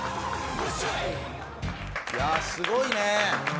いやすごいね！